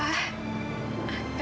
makasih ya pa